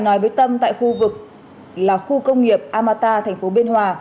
nói với tâm tại khu vực là khu công nghiệp amata tp biên hòa